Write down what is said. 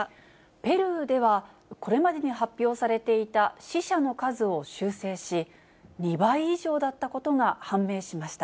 ペルーでは、これまでに発表されていた死者の数を修正し、２倍以上だったことが判明しました。